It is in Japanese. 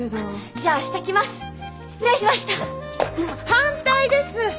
反対です！